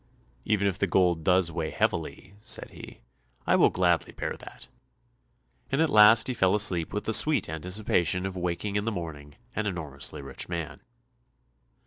"Even if the gold does weigh heavily," said he, "I will gladly bear that," and at last he fell asleep with the sweet anticipation of waking in the morning an enormously rich man.